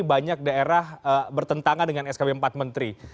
banyak daerah bertentangan dengan skb empat menteri